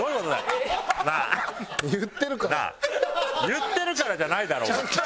「言ってるから」じゃないだろ。